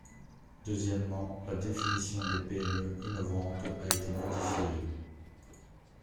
Deuxièmement, la définition des PME innovantes a été modifiée.